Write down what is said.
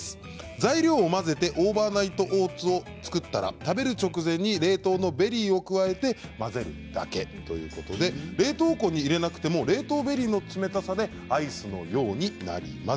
材料を混ぜてオーバーナイトオーツを作ったら食べる直前に冷凍のベリーを加えて混ぜるだけということで冷凍庫に入れなくても冷凍ベリーの冷たさでアイスのようになります。